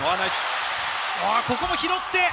ここも拾って。